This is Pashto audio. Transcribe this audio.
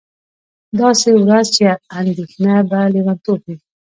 داسې ورځ چې اندېښنه به لېونتوب وي